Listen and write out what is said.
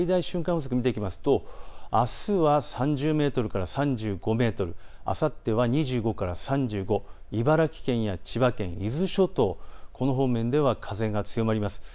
風速を見るとあすは３０メートルから３５メートル、あさっては２５から３５、茨城県、千葉県、伊豆諸島、この方面では風が強まります。